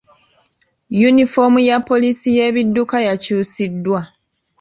Yunifoomu ya poliisi y'ebidduka yakyusiddwa.